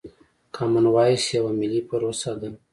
کامن وايس يوه ملي پروسه ده.